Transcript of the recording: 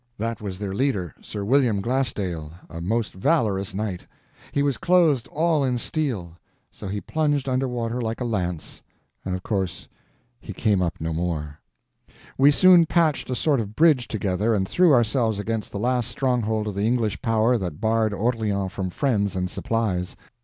That was their leader, Sir Williams Glasdale, a most valorous knight. He was clothed all in steel; so he plunged under water like a lance, and of course came up no more. We soon patched a sort of bridge together and threw ourselves against the last stronghold of the English power that barred Orleans from friends and supplies.